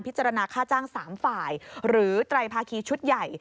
จารณค่าจ้าง๓ฝ่ายหรือไตรภาคีชุดใหญ่